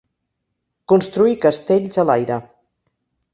Construir castells a l'aire.